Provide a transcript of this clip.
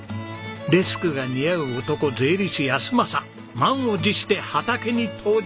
デスクが似合う男税理士安正満を持して畑に登場！